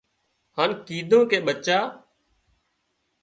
هانَ ڪيڌون ڪي ٻچا